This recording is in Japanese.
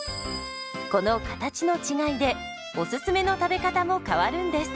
この形の違いでおすすめの食べ方も変わるんです。